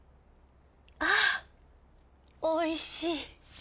あおいしい。